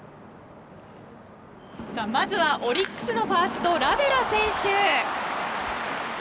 まずは、オリックスのファーストラベロ選手。